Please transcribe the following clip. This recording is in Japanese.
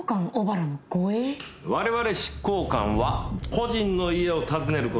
我々執行官は個人の家を訪ねる事が多くある。